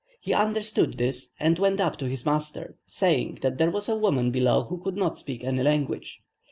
He understood this, and went up to his master, saying that there was a woman below who could not speak any language.